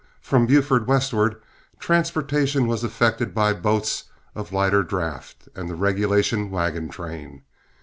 From Buford westward, transportation was effected by boats of lighter draft and the regulation wagon train.